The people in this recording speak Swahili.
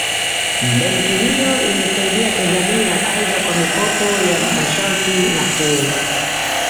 Benki hiyo imeisaidia Tanzania aidha kwa mikopo ya masharti nafuu